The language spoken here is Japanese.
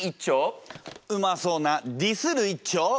うまそうな「ディスる」一丁！